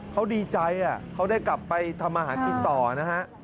เขาดีใจเขาได้กลับไปทำมาหากินต่อนะฮะ